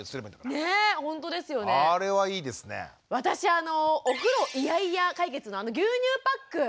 私あの「お風呂イヤイヤ解決！」のあの牛乳パック。